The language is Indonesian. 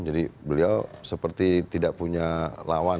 jadi beliau seperti tidak punya lawan